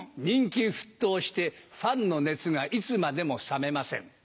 人気沸騰してファンの熱がいつまでも冷めません。